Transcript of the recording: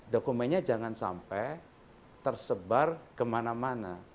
dokumennya jangan sampai tersebar kemana mana